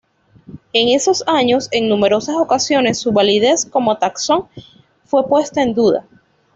En esos años, en numerosas ocasiones su validez como taxón fue puesta en duda.